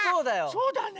そうだね。